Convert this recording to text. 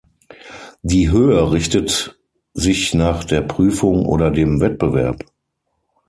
Die Höhe richtet sich nach der Prüfung oder dem Wettbewerb.